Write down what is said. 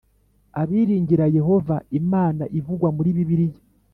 Abiringira Yehova, Imana ivugwa muri Bibiliya,